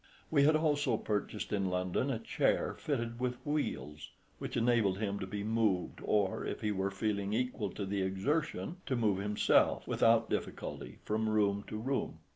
We had also purchased in London a chair fitted with wheels, which enabled him to be moved, or, if he were feeling equal to the exertion, to move himself, without difficulty, from room to room.